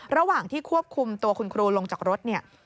ระหว่างที่ควบคุมตัวคุณครูลงจากรถเนี่ย